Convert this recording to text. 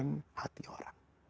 dan juga mendamaikan hati orang